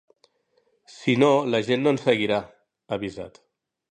“Si no la gent no ens seguirà”, ha avisat.